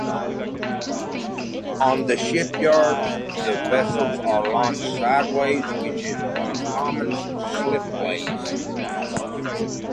On the shipyards the vessels are launched sideways, which is uncommon for slipways.